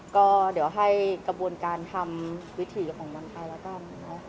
ก็เดี๋ยวให้กระบวนการทำวิถีของมันไปแล้วกัน